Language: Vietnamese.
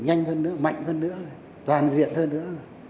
nhanh hơn nữa mạnh hơn nữa toàn diện hơn nữa